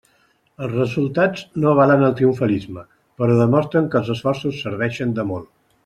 Els resultats no avalen el triomfalisme però demostren que els esforços serveixen de molt.